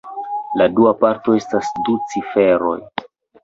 La dua parto estas du ciferoj.